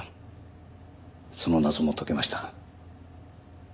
その謎も解けました。